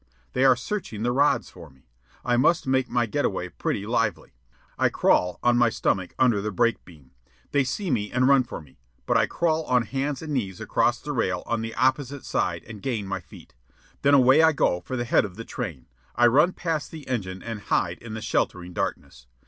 They are searching the rods for me. I must make my get away pretty lively. I crawl on my stomach under the brake beam. They see me and run for me, but I crawl on hands and knees across the rail on the opposite side and gain my feet. Then away I go for the head of the train. I run past the engine and hide in the sheltering darkness.